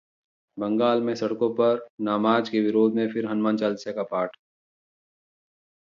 बंगाल में सड़कों पर नमाज के विरोध में फिर हनुमान चालीसा का पाठ